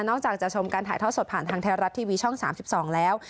อกจากจะชมการถ่ายทอดสดผ่านทางไทยรัฐทีวีช่อง๓๒แล้ว